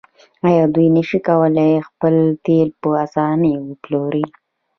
آیا دوی نشي کولی خپل تیل په اسانۍ وپلوري؟